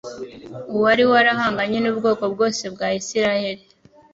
uwari warahanganye n'ubwoko bwose bwa Isiraheli